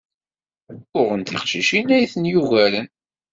Uɣen tiqcicin ay ten-yugaren.